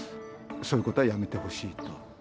そういうことはやめてほしいと。